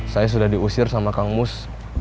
saya sudah diusir sama kang mus